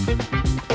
lebih tertib ya